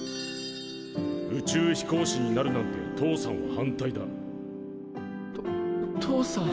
宇宙飛行士になるなんて父さんは反対だ。と父さん。